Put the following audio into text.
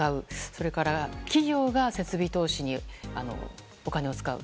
それから、企業が設備投資にお金を使う。